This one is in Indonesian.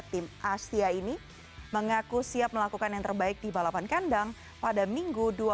tim asia ini mengaku siap melakukan yang terbaik di balapan kandang pada minggu dua puluh tiga